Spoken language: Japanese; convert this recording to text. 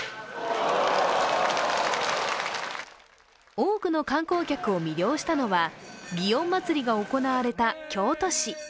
多くの観光客を魅了したのは祇園祭が行われた京都市。